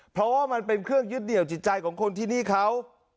เพราะว่ามันเป็นเครื่องยึดเหนียวจิตใจของคนที่นี่เขา